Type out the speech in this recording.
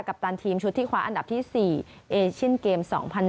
ปตันทีมชุดที่คว้าอันดับที่๔เอเชียนเกม๒๐๑๖